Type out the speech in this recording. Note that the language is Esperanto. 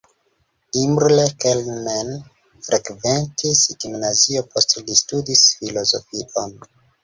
Imre Kelemen frekventis gimnazion, poste li studis filozofion.